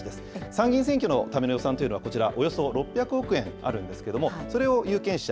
参議院選挙のための予算というのはこちら、およそ６００億円あるんですけれども、それを有権者